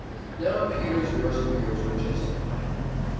Now Peter's worst fears were justified.